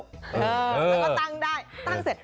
แล้วก็ตั้งได้ตั้งเสร็จ